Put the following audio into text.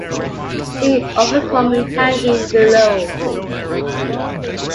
See "Overcoming hanging", below.